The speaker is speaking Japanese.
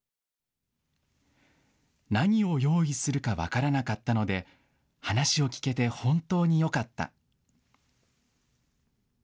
何を用意するか分からなかったので話を聞けて本当によかった。